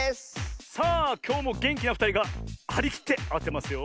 さあきょうもげんきなふたりがはりきってあてますよ。